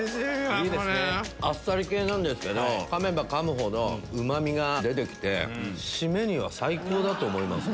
あっさり系なんですけどかめばかむほどうまみが出て締めには最高だと思います。